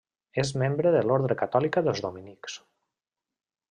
És membre de l'orde catòlica dels dominics.